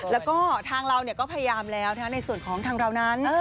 แล้วก็ทางเราก็พยายามแล้วในส่วนของทางเรานั้น